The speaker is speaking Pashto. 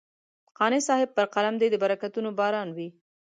قانع صاحب پر قلم دې د برکتونو باران وي.